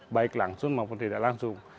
baik langsung maupun tidak langsung